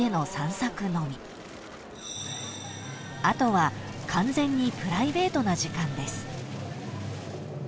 ［後は完全にプライベートな時間です］